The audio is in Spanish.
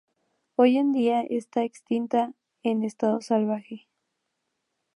Hoy en día está extinta en estado salvaje.